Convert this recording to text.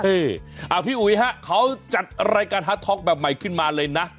พี่อุ๋ยภาคภูมิเขาจัดรายการฮัตท็อกแบบใหม่ขึ้นมาเลยนะ